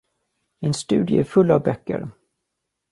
Min studie är full av böcker.